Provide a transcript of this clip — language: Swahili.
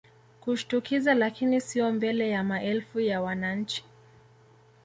kushtukiza lakini sio mbele ya maelfu ya wananchi